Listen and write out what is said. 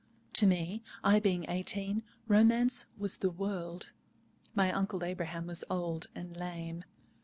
To me, I being eighteen, romance was the world. My Uncle Abraham was old and lame.